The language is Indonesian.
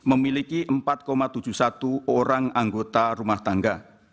adalah sekitar dua lima ratus tujuh puluh satu orang anggota rumah tangga